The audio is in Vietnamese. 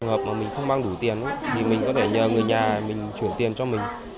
trường hợp mà mình không mang đủ tiền thì mình có thể nhờ người nhà mình chuyển tiền cho mình